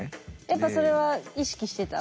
やっぱそれは意識してた？